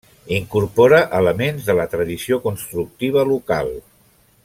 Incorpora elements de la tradició constructiva local.